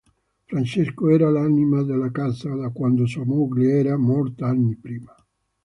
Francesco era l'anima della casa da quando sua moglie era morta anni prima.